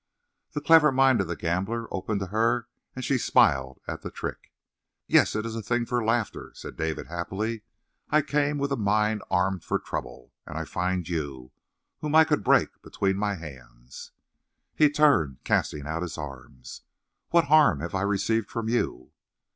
The clever mind of the gambler opened to her and she smiled at the trick. "Yes, it is a thing for laughter," said David happily. "I came with a mind armed for trouble and I find you, whom I could break between my hands." He turned, casting out his arms. "What harm have I received from you?"